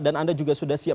dan anda juga sudah siap